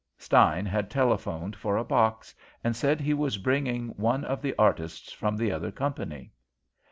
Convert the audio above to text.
Stein had telephoned for a box, and said he was bringing one of the artists from the other company.